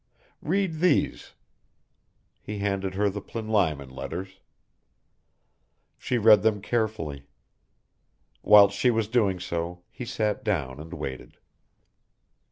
Read these." He handed her the Plinlimon letters. She read them carefully. Whilst she was doing so, he sat down and waited.